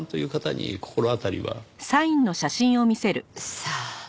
さあ。